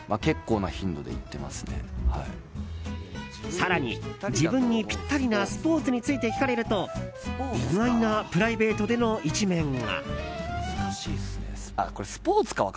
更に、自分にぴったりなスポーツについて聞かれると意外なプライベートでの一面が。